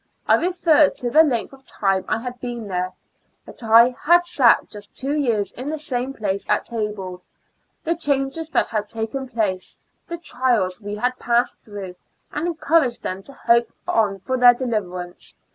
I referred to the length of time I had been there ; that I had sat just two years in the same place at table, the changes that had taken place, the trials we had passed through, and encouraged them to hope on for their deliverance.